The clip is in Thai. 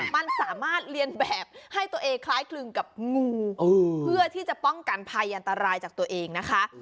มันสามารถเรียนแบบให้ตัวเองคล้ายคลึงกับงูเพื่อที่จะป้องกันภัยอันตรายจากตัวเองนะคะ